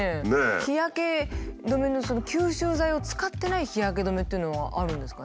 日焼け止めの吸収剤を使ってない日焼け止めっていうのはあるんですかね。